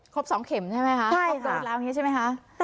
ครอบสองเข็มใช่ไหมคะครอบโดสด้วยแบบนี้ใช่ไหมคะใช่ค่ะ